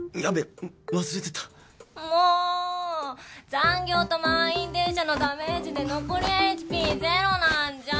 残業と満員電車のダメージで残りＨＰ０なんじゃ。